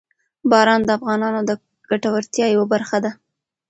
باران د افغانانو د ګټورتیا یوه برخه ده.